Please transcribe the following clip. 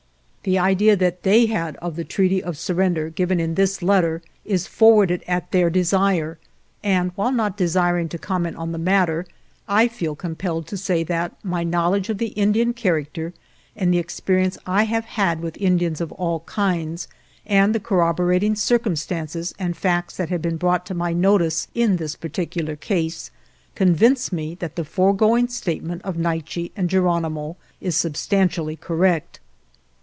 " The idea that they had of the treaty of surrender given in this letter is forwarded at their desire, and, while not desiring to comment on the matter, I feel compelled to say that my knowledge of the Indian character, and the experience I have had with Indians of all kinds, and the cor roborating circumstances and facts that 160 SURRENDER OF GERONIMO have been brought to my notice in this par ticular case, convince me that the foregoing statement of Naiche and Geronimo is sub stantially correct."